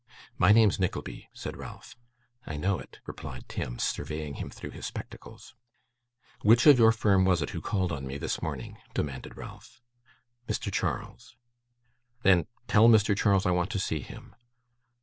'My name's Nickleby,' said Ralph. 'I know it,' replied Tim, surveying him through his spectacles. 'Which of your firm was it who called on me this morning?' demanded Ralph. 'Mr. Charles.' 'Then, tell Mr. Charles I want to see him.